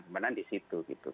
pembenahan di situ gitu